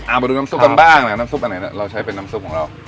เอามาดูน้ำซุปกันบ้างน้ำซุปอันไหนเราใช้เป็นน้ำซุปของเรา